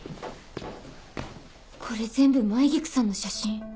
これ全部舞菊さんの写真。